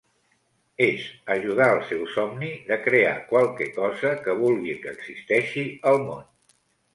És ajudar al seu somni de crear qualque cosa que vulgui que existeixi al món.